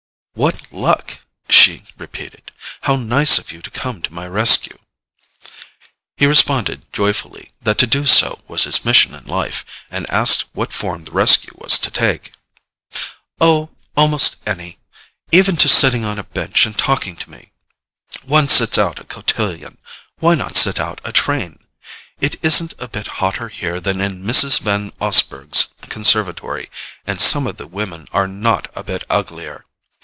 "What luck!" she repeated. "How nice of you to come to my rescue!" He responded joyfully that to do so was his mission in life, and asked what form the rescue was to take. "Oh, almost any—even to sitting on a bench and talking to me. One sits out a cotillion—why not sit out a train? It isn't a bit hotter here than in Mrs. Van Osburgh's conservatory—and some of the women are not a bit uglier."